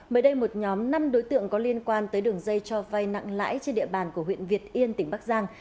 mới đây một nhóm năm đối tượng có liên quan tới đường dây cho vay nặng lãi trên địa bàn của huyện việt yên tỉnh bắc giang